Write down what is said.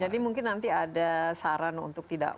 jadi mungkin nanti ada saran untuk tidak